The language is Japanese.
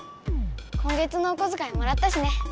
今月のおこづかいもらったしね。